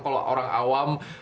kalau orang awam